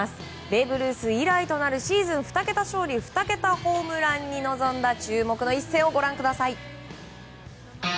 ベーブ・ルース以来となるシーズン２桁勝利２桁ホームランに臨んだ注目の１戦をご覧ください。